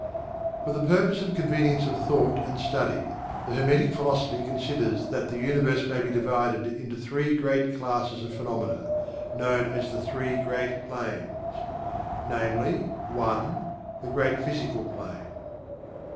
For the purpose of convenience of thought and study, the Hermetic Philosophy considers that the Universe may be divided into three great classes of phenomena, known as the Three Great Planes, namely: 1. The Great Physical Plane.